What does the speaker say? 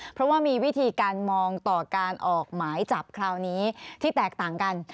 เพราะว่ามีวิธีการมองต่อการออกหมายจับคราวนี้ที่แตกต่างกัน